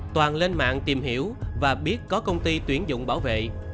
toàn lên mạng tìm hiểu và biết có công ty tuyển dụng bảo vệ